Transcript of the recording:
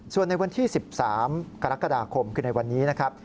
ส่วนในวันที่๑๓กรกฎาคมคือในวันนี้นะครับ